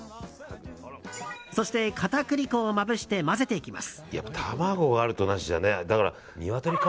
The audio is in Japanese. そして片栗粉をまぶして混ぜていきます。